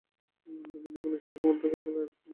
মনে হচ্ছে যে-কোনো সময় কোমর থেকে খুলে আসবে।